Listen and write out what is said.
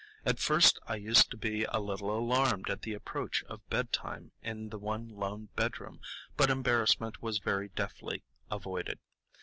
At first I used to be a little alarmed at the approach of bedtime in the one lone bedroom, but embarrassment was very deftly avoided.